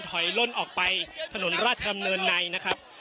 ล่นออกไปถนนราชดำเนินในนะครับ